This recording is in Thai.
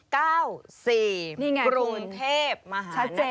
๘๒๙๔กรุงเทพมหานคร